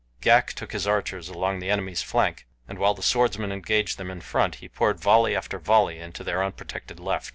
Ghak took his archers along the enemy's flank, and while the swordsmen engaged them in front, he poured volley after volley into their unprotected left.